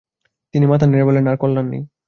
তিনি মাথা নেড়ে বললেন, আর কল্যাণ নেই।